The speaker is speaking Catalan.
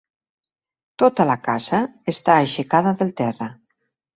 Tota la casa està aixecada del terra.